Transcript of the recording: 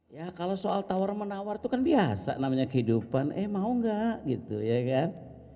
ya kalau soal tawar menawar itu kan biasa namanya kehidupan eh mau gak gitu ya kan